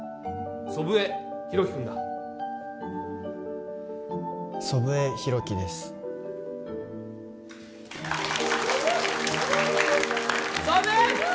祖父江広樹君だ祖父江広樹ですソブー！